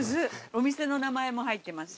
お店の名前も入ってます。